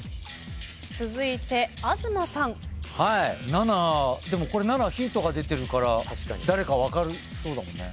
７でもこれ７ヒントが出てるから誰か分かりそうだもんね。